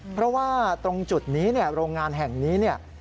เพราะว่าตรงจุดนี้โรงงานแห่งนี้